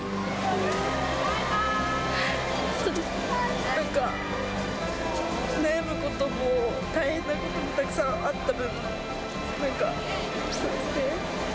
そうですね、なんか、悩むことも大変なこともたくさんあった分、なんか、そうですね。